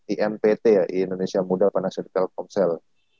impt ya indonesia muda panas telkomsel